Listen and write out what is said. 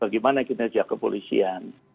bagaimana kinerja kepolisian